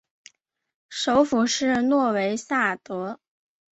首府是诺维萨德。